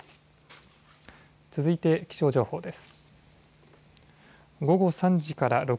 続いて気象情報です。